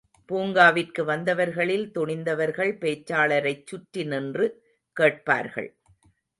பூங்காவிற்கு வந்தவர்களில் துணிந்தவர்கள் பேச்சாளரைச் சுற்றி நின்று கேட்பார்கள்.